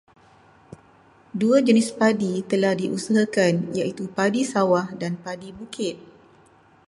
Dua jenis padi telah diusahakan iaitu padi sawah dan padi bukit.